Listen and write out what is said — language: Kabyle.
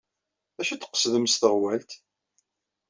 D acu ay d-tqesdem s teɣwalt?